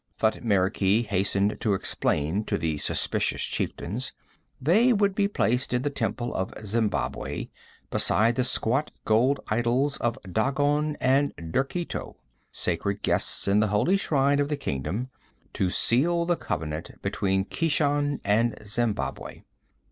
Thutmekri hastened to explain to the suspicious chieftains; they would be placed in the temple of Zembabwei beside the squat gold idols of Dagon and Derketo, sacred guests in the holy shrine of the kingdom, to seal the covenant between Keshan and Zembabwei.